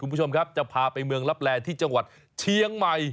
คุณผู้ชมครับจะพาไปเมืองลับแลที่จังหวัดเชียงใหม่